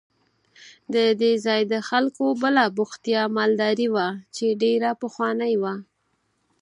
د دې ځای د خلکو بله بوختیا مالداري وه چې ډېره پخوانۍ وه.